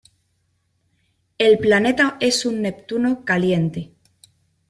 El planeta es un Neptuno caliente.